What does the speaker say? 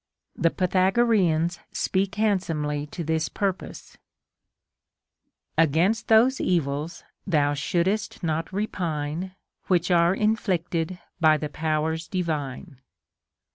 The Pythagoreans speak handsomely to this pur pose :— Against those evils thou shouldest not repine, Which are inflicted by the powers divine.